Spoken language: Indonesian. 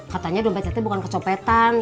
katanya dompet catnya bukan kecopetan